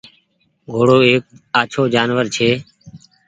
گھوڙو ايڪ آڇو جآنور ڇي